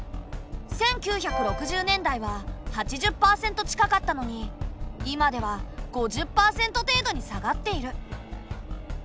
１９６０年代は８０％近かったのに今では５０％程度に下がっている。